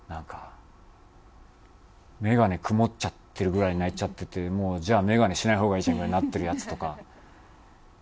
眼鏡曇っちゃってるぐらい泣いちゃっててじゃあ眼鏡しない方がいいじゃんぐらいになってるヤツとか。